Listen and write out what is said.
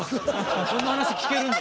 そんな話聞けるんだ。